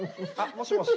もしもし。